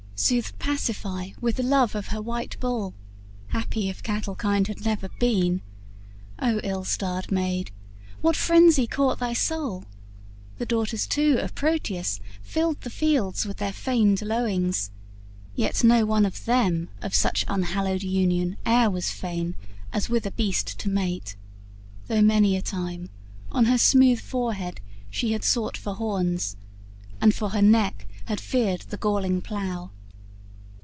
soothed Pasiphae with the love of her white bull Happy if cattle kind had never been! O ill starred maid, what frenzy caught thy soul The daughters too of Proetus filled the fields With their feigned lowings, yet no one of them Of such unhallowed union e'er was fain As with a beast to mate, though many a time On her smooth forehead she had sought for horns, And for her neck had feared the galling plough.